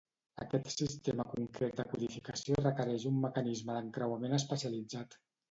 Aquest sistema concret de codificació requereix un mecanisme d'encreuament especialitzat.